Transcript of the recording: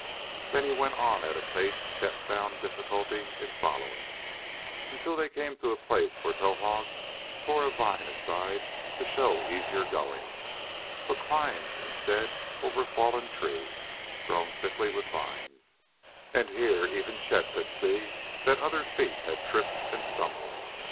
Then he went on at a pace Chet found difficulty in following, until they came to a place where Towahg tore a vine aside to show easier going, but climbed instead over a fallen tree, grown thickly with vines, and here even Chet could see that other feet had tripped and stumbled.